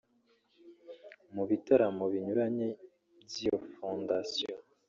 Mu bitaramo binyuranye by’iyo Fondation